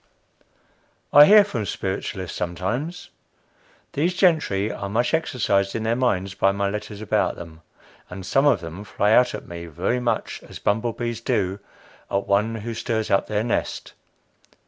I hear from spiritualists sometimes. These gentry are much exercised in their minds by my letters about them, and some of them fly out at me very much as bumble bees do at one who stirs up their nest.